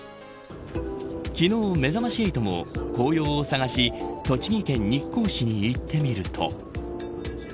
昨日、めざまし８も紅葉を探し栃木県日光市に行ってみると。